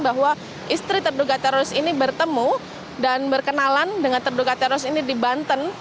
bahwa istri terduga teroris ini bertemu dan berkenalan dengan terduga teroris ini di banten